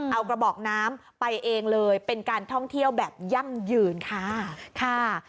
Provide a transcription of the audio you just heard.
เอากระบอกน้ำไปเองเลยเป็นการท่องเที่ยวแบบยั่งยืนค่ะค่ะ